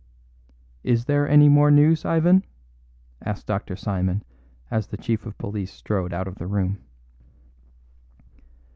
"Is there any more news, Ivan?" asked Dr. Simon, as the chief of police strode out of the room.